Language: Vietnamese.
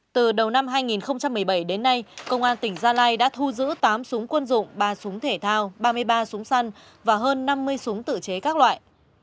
từ đầu năm hai nghìn một mươi bảy đến nay công an tỉnh gia lai đã thu giữ tám súng quân dụng ba súng thể thao ba mươi ba súng săn và hơn năm mươi súng tự chế các loại